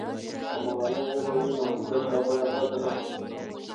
که مورنۍ ژبه وي، نو زده کړه به بده نه وي.